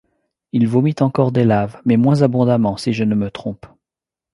Il vomit encore des laves, mais moins abondamment, si je ne me trompe